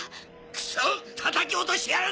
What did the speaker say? クソったたき落としてやる！